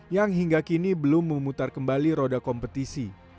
yang hingga kini belum memutar kembali roda kompetisi